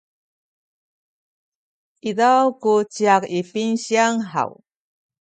izaw ku ciyak i pinsiyang haw?